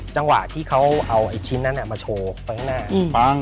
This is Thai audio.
จังหวะที่เขาเอาไอ้ชิ้นนั้นมาโชว์แป๊บหน้า